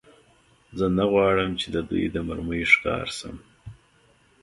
زه نه غواړم، چې د دوی د مرمۍ ښکار شم.